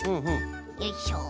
よいしょ。